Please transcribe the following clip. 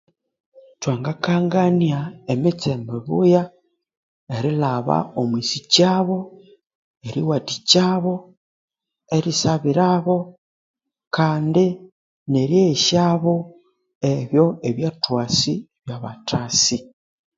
Thwangakangania emitse mibuya erilhaba omwisikyabo neriwathikyabo erisabirabo Kandi neryeghesyabo ebo ebyathwasi byabathasi